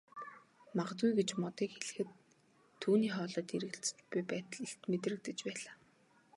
Магадгүй гэж Модыг хэлэхэд түүний хоолойд эргэлзэж буй байдал илт мэдрэгдэж байлаа.